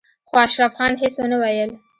خو اشرف خان هېڅ ونه ويل.